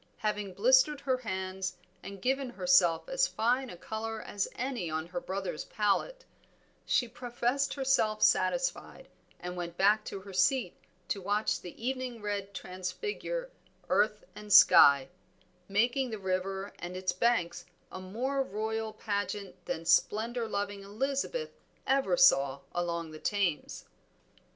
Having blistered her hands and given herself as fine a color as any on her brother's palette, she professed herself satisfied, and went back to her seat to watch the evening red transfigure earth and sky, making the river and its banks a more royal pageant than splendor loving Elizabeth ever saw along the Thames.